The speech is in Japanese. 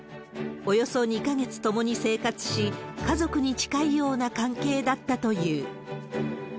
およそ２か月共に生活し、家族に近いような関係だったという。